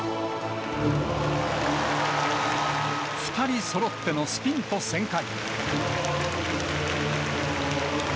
２人そろってのスピンと旋回。